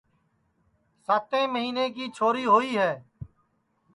ساتیں مہینے کی چھوری ہوئی ہے